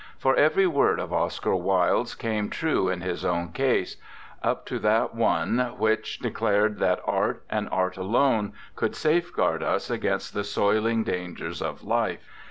For every word of Oscar Wilde's came true in his own case, up to that one which 9* RECOLLECTIONS OF OSCAR WILDE declared that Art, and Art alone, could safeguard us against the soiling dangers of life.